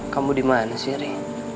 kamu dimana sih ri